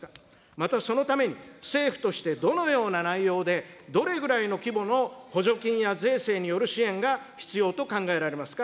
また、そのために、政府としてどのような内容で、どれぐらいの規模の補助金や税制による支援が必要と考えられますか。